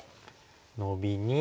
ノビに。